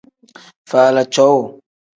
Faala cowuu.